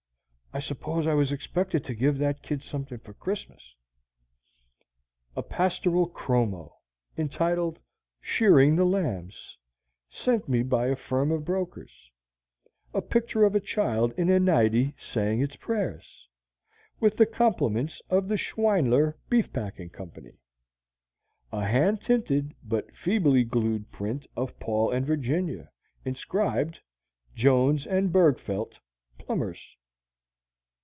I suppose I was expected to give that kid something for Christmas!); a pastoral chromo, entitled "Shearing the Lambs," sent me by a firm of brokers; a picture of a child in a nightie saying its prayers, with the compliments of the Schweinler Beef Packing Co.; a hand tinted but feebly glued print of Paul and Virginia, inscribed, "Jones and Bergfeldt, Plumbers."